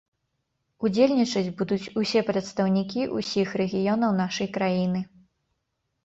Удзельнічаць будуць усе прадстаўнікі ўсіх рэгіёнаў нашай краіны.